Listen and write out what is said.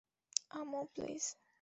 আম্মু, প্লিজ!